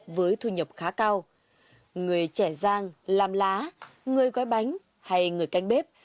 với thu nhập khá cao người trẻ giang làm lá người gói bánh hay người canh bếp